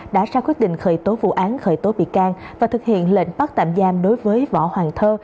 đối với số vụ án khởi tố bị can và thực hiện lệnh bắt tạm giam đối với võ hoàng thơ